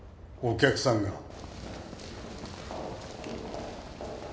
お客さんが。